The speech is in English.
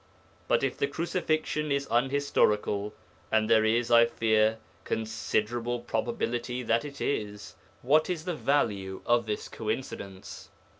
But if the Crucifixion is unhistorical and there is, I fear, considerable probability that it is what is the value of this coincidence?